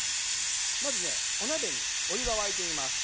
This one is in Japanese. まずねお鍋にお湯が沸いています。